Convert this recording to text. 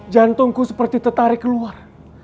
jantungku seperti tertarik keluar